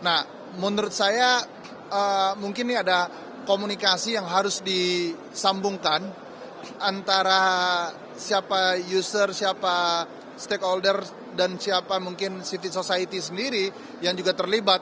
nah menurut saya mungkin ini ada komunikasi yang harus disambungkan antara siapa user siapa stakeholder dan siapa mungkin civil society sendiri yang juga terlibat